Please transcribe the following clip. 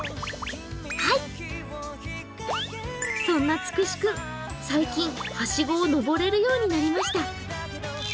そんなつくし君、最近はしごを登れるようになりました。